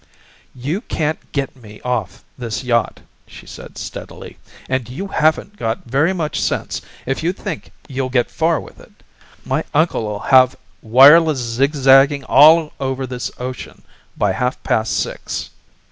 "You can't get me off this yacht," she raid steadily; "and you haven't got very much sense if you think you'll get far with it. My uncle'll have wirelesses zigzagging all over this ocean by half past six."